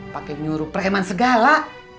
pakai nyuruh pereman segala